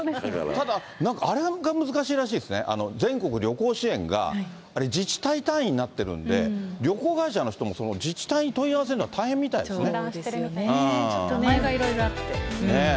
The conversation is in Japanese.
ただ、なんかあれが難しいらしいですね、全国旅行支援があれ、自治体単位になってるんで、旅行会社の人も、その自治体に問い合わせるのが大変みたいですね。